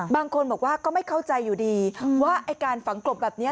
บางคนบอกว่าก็ไม่เข้าใจอยู่ดีว่าไอ้การฝังกลบแบบนี้